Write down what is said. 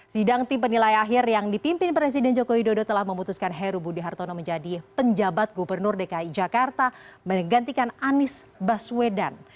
sidang tim penilai akhir yang dipimpin presiden joko widodo telah memutuskan heru budi hartono menjadi penjabat gubernur dki jakarta menggantikan anies baswedan